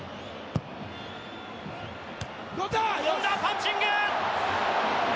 権田、パンチング！